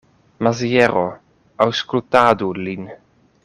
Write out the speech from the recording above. Maziero, aŭskultadu lin.